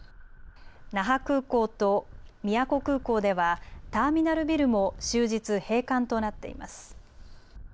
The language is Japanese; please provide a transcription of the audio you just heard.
那覇空港と宮古空港ではターミナルビルも終日閉館となっています。